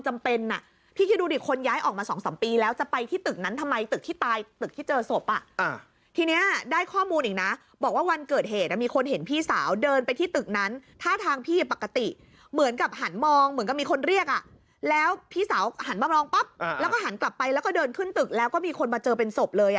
พี่คิดดูดิคนย้ายออกมา๒๓ปีแล้วจะไปที่ตึกนั้นทำไมตึกที่ตายตึกที่เจอศพอ่ะทีนี้ได้ข้อมูลอีกนะบอกว่าวันเกิดเหตุมีคนเห็นพี่สาวเดินไปที่ตึกนั้นท่าทางพี่ปกติเหมือนกับหันมองเหมือนกับมีคนเรียกอ่ะแล้วพี่สาวหันมามองปั๊บแล้วก็หันกลับไปแล้วก็เดินขึ้นตึกแล้วก็มีคนมาเจอเป็นศพเลย